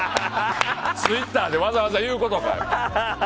ツイッターでわざわざ言うことかい！